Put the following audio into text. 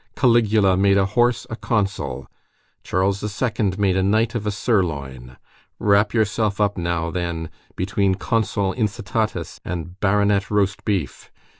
Caligula made a horse a consul; Charles II. made a knight of a sirloin. Wrap yourself up now, then, between Consul Incitatus and Baronet Roastbeef.